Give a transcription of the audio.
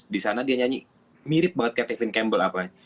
di sana dia nyanyi mirip banget kayak tevin campbell apa